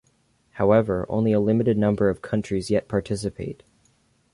However, only a limited number of countries yet participate.